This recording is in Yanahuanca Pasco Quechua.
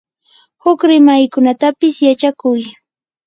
huk rimaykunatapis yachakuy.